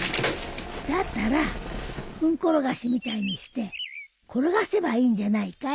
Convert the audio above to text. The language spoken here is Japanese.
だったらフンコロガシみたいにして転がせばいいんじゃないかい？